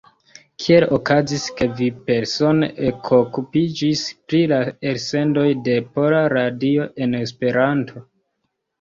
Kiel okazis ke vi persone ekokupiĝis pri la elsendoj de Pola Radio en Esperanto?